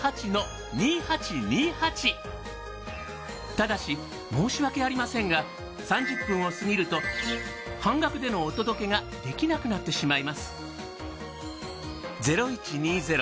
ただし申し訳ありませんが３０分を過ぎると半額でのお届けができなくなってしまいます。